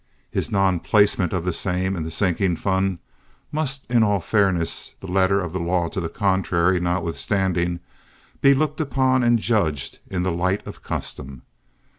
His non placement of the same in the sinking fund must in all fairness, the letter of the law to the contrary notwithstanding, be looked upon and judged in the light of custom.